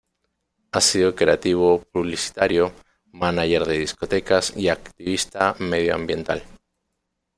Ha sido creativo publicitario, mánager de discotecas y activista medioambiental.